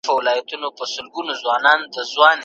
که پرېکړې پلي سي ستونزې حل کیږي.